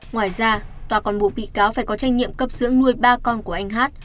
ngoài ra tòa còn buộc bị cáo phải có trách nhiệm cấp dưỡng nuôi ba con của anh hát